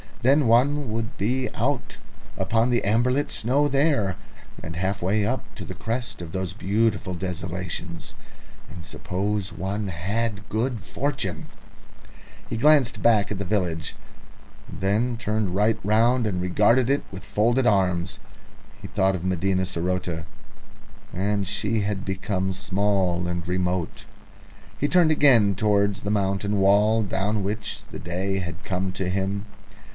Then one would be out upon the amber lit snow there, and half way up to the crest of those beautiful desolations. He glanced back at the village, then turned right round and regarded it steadfastly. He thought of Medina saroté, and she had become small and remote. He turned again towards the mountain wall, down which the day had come to him.